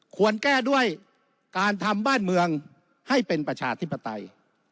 ควรแก้ด้วยการทำบ้านเมืองให้เป็นประชาธิปไตย